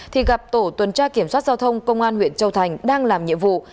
thì gặp tổ tuần tra kiểm soát giao thông công an huyện châu thành đang làm nhiệm vụ